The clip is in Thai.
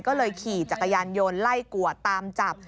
ก็เลยขี่จักรยานยนต์ไล่กวดตามจับ